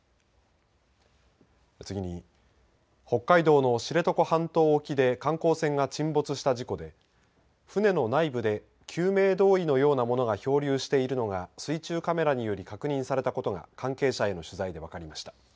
次に、北海道の知床半島沖で観光船が沈没した事故で船の内部で救命胴衣のようなものが漂流しているのが水中カメラにより確認されたことが関係者への取材で分かりました。